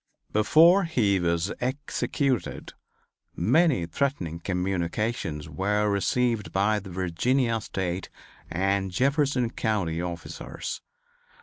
Before he was executed many threatening communications were received by the Virginia State and Jefferson County officers.